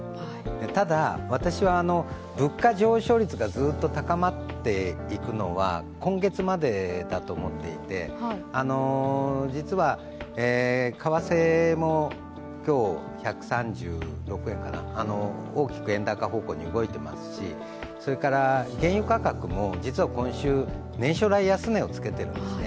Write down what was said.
ただ、私は物価上昇率がずっと高まっていくのは今月までだと思っていて、実は、為替も今日１３６円かな、大きく円高方向に動いていますし、原油価格も実は今週年初来安値をつけてるんですね。